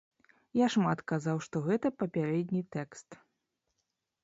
Я шмат казаў, што гэта папярэдні тэкст.